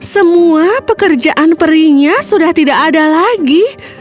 semua pekerjaan perinya sudah tidak ada lagi